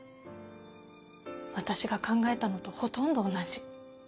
私が考えたのとほとんど同じ。